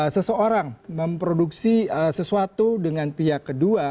seseorang memproduksi sesuatu dengan pihak kedua